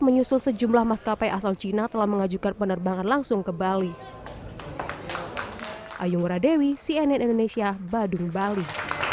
menyusul sejumlah maskapai asal cina telah mengajukan penerbangan langsung ke bali